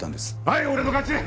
はい俺の勝ち！